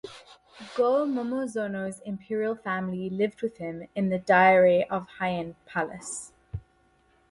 Go-Momozono's Imperial family lived with him in the Dairi of the Heian Palace.